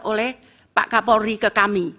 oleh pak kapolri ke kami